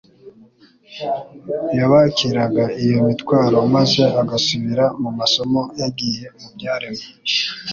Yabakiraga iyo mitwaro maze agasubira mu masomo yigiye mu byaremwe,